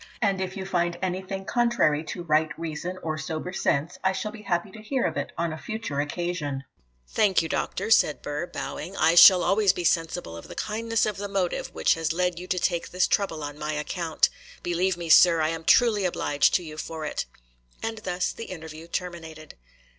and if you find anything contrary to right reason or sober sense, I shall be happy to hear of it on a future occasion.' 'Thank you, Doctor,' said Burr, bowing, 'I shall always be sensible of the kindness of the motive which has led you to take this trouble on my account. Believe me, sir, I am truly obliged to you for it.' And thus the interview terminated.